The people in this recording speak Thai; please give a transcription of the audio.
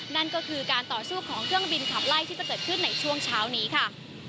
นั่นก็คือการต่อสู้ของเครื่องบินขับไล่ที่จะเกิดขึ้นในช่วงเช้านี้ค่ะ